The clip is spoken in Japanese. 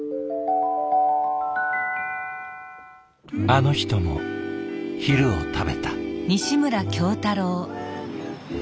あの人も昼を食べた。